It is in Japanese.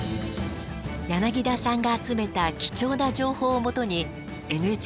柳田さんが集めた貴重な情報を基にＮＨＫは取材。